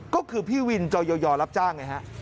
ก็คือพี่วินจอยอย่อรับจ้าง